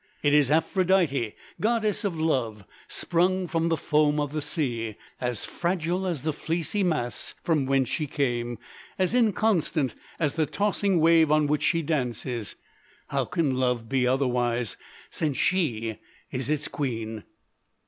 It is Aphrodite, goddess of love sprung from the foam of the sea as fragile as the fleecy mass from whence she came; as inconstant as the tossing wave on which she dances. How can love be otherwise, since she is its queen?